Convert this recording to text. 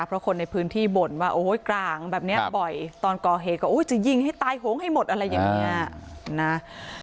เพราะคนในพื้นที่บ่นว่าโอ้ยกลางแบบนี้บ่อยตอนก่อเหตุก็จะยิงให้ตายโหงให้หมดอะไรอย่างนี้นะ